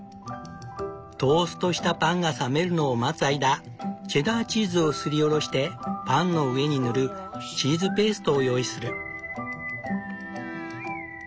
トーストしたパンが冷めるのを待つ間チェダーチーズをすりおろしてパンの上に塗るチーズペーストを用意する。